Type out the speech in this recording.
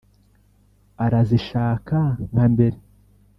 arazishaka nka mbere.